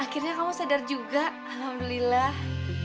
akhirnya kamu sadar juga alhamdulillah